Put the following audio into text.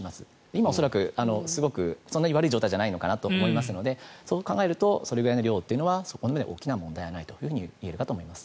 今、恐らくすごくそんなに悪い状態じゃないかと思いますのでそう考えるとそれぐらいの量というのはそこまで大きな問題はないといえるかと思います。